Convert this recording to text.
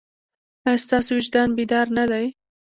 ایا ستاسو وجدان بیدار نه دی؟